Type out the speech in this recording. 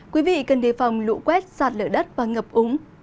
quý vị cần đề phòng lũ quét sạt lửa đất và ngập ống